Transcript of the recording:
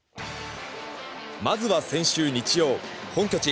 まずは先週日曜本拠地